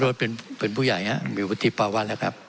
โรธเป็นเป็นผู้ใหญ่ฮะมีวิธีประวัติแล้วครับ